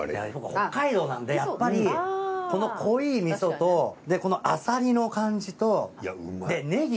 北海道なんでやっぱりこの濃いい味噌とこのアサリの感じとでネギ。